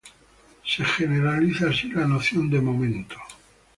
Se generaliza así la noción de momento.